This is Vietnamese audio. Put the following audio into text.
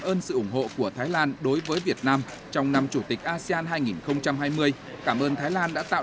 ơn sự ủng hộ của thái lan đối với việt nam trong năm chủ tịch asean hai nghìn hai mươi cảm ơn thái lan đã tạo